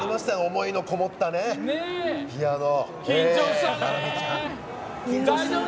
思いのこもったピアノ。